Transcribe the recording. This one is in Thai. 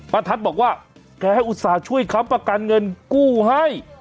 ทัศน์บอกว่าแกให้อุตส่าห์ช่วยค้ำประกันเงินกู้ให้